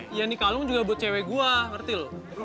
iya nih kalung juga buat cewek gue ngerti lo